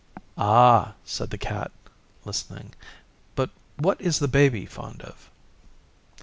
'Ah,' said the Cat, listening, 'but what is the Baby fond of?